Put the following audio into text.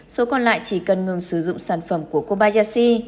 số còn lại chỉ cần ngừng sử dụng sản phẩm của kobayashi